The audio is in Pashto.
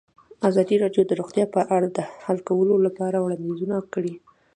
ازادي راډیو د روغتیا په اړه د حل کولو لپاره وړاندیزونه کړي.